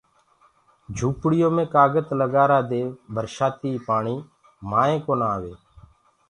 جھوپڙِيو مي ڪآگت لگآرآ دي برشآتيٚ پآڻيٚ مآئينٚ ڪونآ آوي